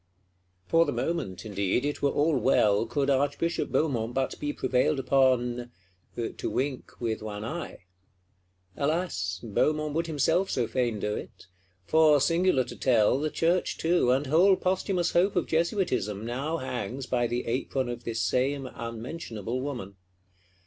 For the moment, indeed, it were all well, could Archbishop Beaumont but be prevailed upon—to wink with one eye! Alas, Beaumont would himself so fain do it: for, singular to tell, the Church too, and whole posthumous hope of Jesuitism, now hangs by the apron of this same unmentionable woman.